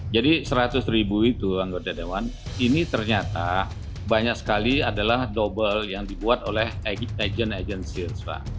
jadi seratus ribu itu anggota dewan ini ternyata banyak sekali adalah double yang dibuat oleh agen agen sales